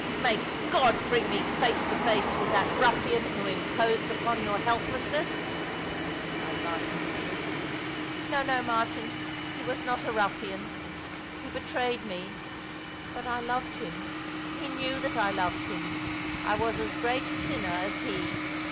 *'May God bring me face to face with that ruffian who imposed upon your helplessness !" cried Martin Disney. " No, no, Martin ; he was not a ruffian. He betrayed me — but I loved him. He knew that I loved him. I was as great a sinner as he.